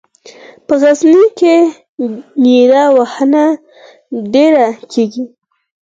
په غزني کې نیره وهنه ډېره کیږي.